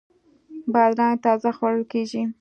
بادرنګ تازه خوړل کیږي.